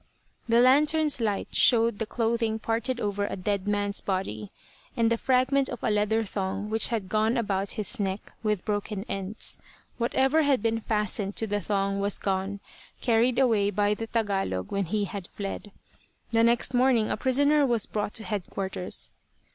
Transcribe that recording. The lantern's light showed the clothing parted over a dead man's body, and the fragment of a leather thong which had gone about his neck, with broken ends. Whatever had been fastened to the thong was gone, carried away by the Tagalog when he had fled. The next morning a prisoner was brought to headquarters.